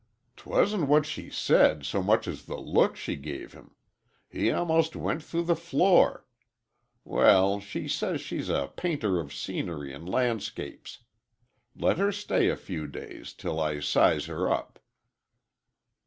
"'Twasn't what she said, so much as the look she gave him! He almost went through the floor. Well, she says she's a painter of scenery and landscapes. Let her stay a few days, till I size her up."